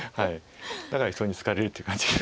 だから人に好かれるっていう感じですか。